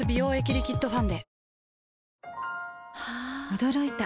驚いた。